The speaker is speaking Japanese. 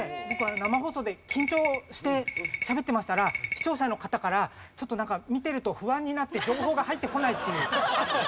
僕生放送で緊張してしゃべってましたら視聴者の方からちょっとなんか見てると不安になって情報が入ってこないっていう。